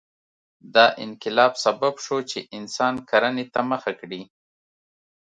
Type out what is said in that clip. دا انقلاب سبب شو چې انسان کرنې ته مخه کړي.